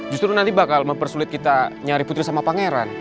justru nanti bakal mempersulit kita nyari putri sama pangeran